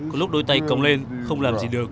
có lúc đôi tay cống lên không làm gì được